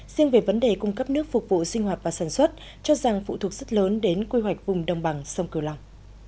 riêng về vấn đề cung cấp nước phục vụ sinh hoạt và sản xuất cho rằng phụ thuộc rất lớn đến quy hoạch vùng đồng bằng sông cửu long